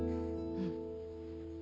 うん。